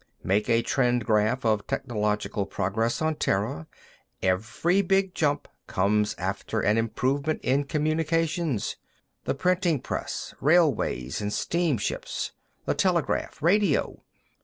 Make a trend graph of technological progress on Terra; every big jump comes after an improvement in communications. The printing press; railways and steamships; the telegraph; radio.